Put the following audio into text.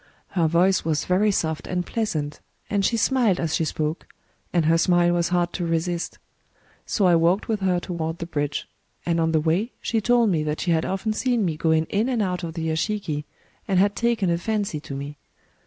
* Her voice was very soft and pleasant; and she smiled as she spoke; and her smile was hard to resist. So I walked with her toward the bridge; and on the way she told me that she had often seen me going in and out of the yashiki, and had taken a fancy to me.